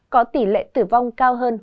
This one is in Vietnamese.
có tỷ lệ tử vong cao hơn